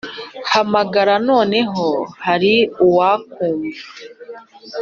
Hamagara noneho hariuwakumva